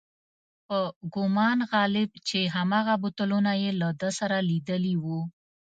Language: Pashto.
په ګومان غالب چې هماغه بوتلونه یې له ده سره لیدلي و.